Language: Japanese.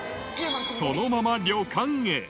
そのまま旅館へ。